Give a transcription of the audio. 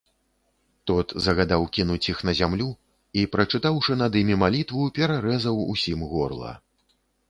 Тот загадаў кінуць іх на зямлю і, прачытаўшы над імі малітву, пераразаў усім горла.